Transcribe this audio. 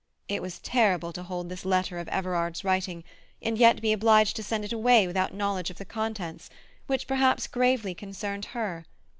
It was terrible to hold this letter of Everard's writing, and yet be obliged to send it away without knowledge of the contents, which perhaps gravely concerned her.